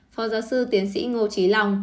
phó giáo sư tiến sĩ ngô trí long